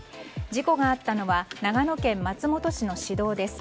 事故があったのは長野県松本市の市道です。